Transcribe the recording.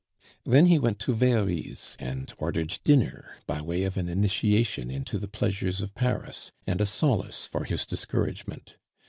Then he went to Very's and ordered dinner by way of an initiation into the pleasures of Paris, and a solace for his discouragement.